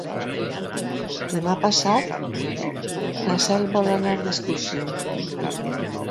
Demà passat na Cel vol anar d'excursió.